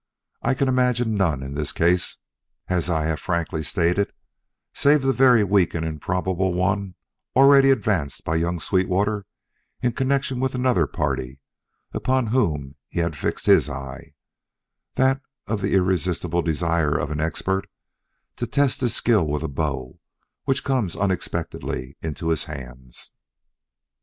I can imagine none in this case, as I have frankly stated, save the very weak and improbable one already advanced by young Sweetwater in connection with another party upon whom he had fixed his eye that of the irresistible desire of an expert to test his skill with a bow which comes unexpectedly into his hands."